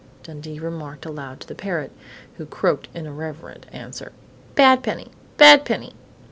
Dundee remarked aloud to the parrot, who croaked an irrelevant answer: "Bad Penny! Bad Penny!"